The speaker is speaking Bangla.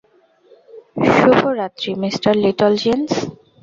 শুভ রাত্রি, মিঃ লিটলজিন্স।